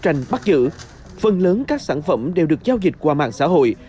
trong thời gian bắt giữ phần lớn các sản phẩm đều được giao dịch qua mạng xã hội